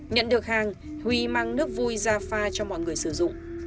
nhận được hàng huy mang nước vui ra pha cho mọi người sử dụng